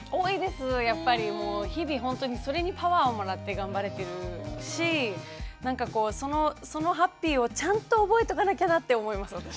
やっぱりもう日々ほんとにそれにパワーをもらって頑張れてるしなんかこうそのハッピーをちゃんと覚えとかなきゃなって思います私。